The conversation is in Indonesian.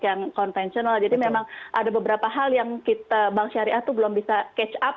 yang konvensional jadi memang ada beberapa hal yang kita bank syariah itu belum bisa catch up